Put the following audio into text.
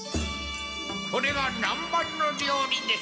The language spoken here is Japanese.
これが南ばんのりょうりです。